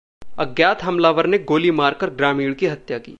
अज्ञात हमलावर ने गोली मारकर ग्रामीण की हत्या की